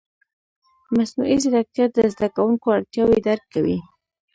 مصنوعي ځیرکتیا د زده کوونکو اړتیاوې درک کوي.